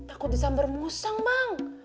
aku disambar musang bang